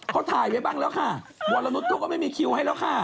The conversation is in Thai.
เขาถ่ายไว้บ้างแล้วค่ะวรนุษย์เขาก็ไม่มีคิวให้แล้วค่ะ